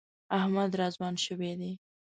احمد را ځوان شوی دی.